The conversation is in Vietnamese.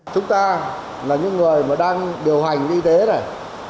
chúng ta là những người mà đang điều hành y tế này